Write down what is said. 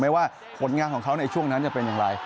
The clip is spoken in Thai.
ไม่ว่าผลงานของเขาในช่วงนั้นจะเป็นอย่างไร